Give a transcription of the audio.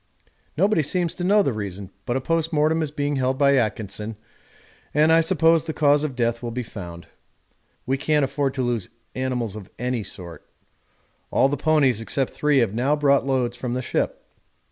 Nobody seems to know the reason, but a post mortem is being held by Atkinson and I suppose the cause of death will be found. We can't afford to lose animals of any sort. All the ponies except three have now brought loads from the ship.